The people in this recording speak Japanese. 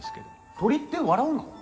鳥って笑うの？